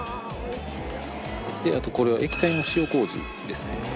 あとこれは液体の塩麹ですね。